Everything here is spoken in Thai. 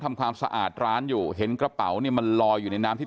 ทำความสะอาดร้านอยู่เห็นกระเป๋าเนี่ยมันลอยอยู่ในน้ำที่